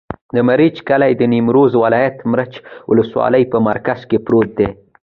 د مريچ کلی د نیمروز ولایت، مريچ ولسوالي په مرکز کې پروت دی.